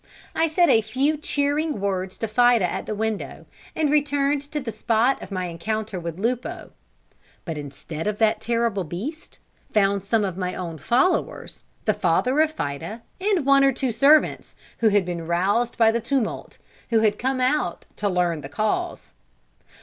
I said a few cheering words to Fida at the window, and returned to the spot of my encounter with Lupo; but instead of that terrible beast, found some of my own followers, the father of Fida, and one or two servants, who had been roused by the tumult, and had come out to learn the cause.